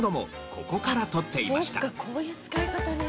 そうかこういう使い方ね。